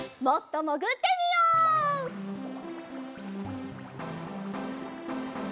もっともぐってみよう！